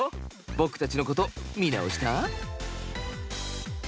僕たちのこと見直した？